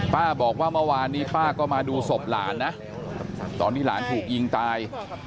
ป้าบอกว่าเมื่อวานนี้ป้าก็มาดูศพหลานนะตอนที่หลานถูกยิงตาย